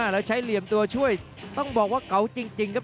แล้วใช้เหลี่ยมตัวช่วยต้องบอกว่าเก่าจริงครับ